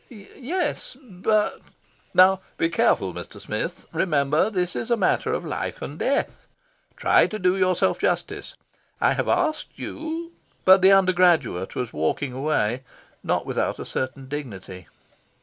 "Yes, but " "Now, be careful, Mr. Smith. Remember, this is a matter of life and death. Try to do yourself justice. I have asked you " But the undergraduate was walking away, not without a certain dignity.